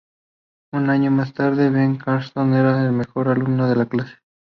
Un año más tarde, Ben Carson era el mejor alumno de su clase.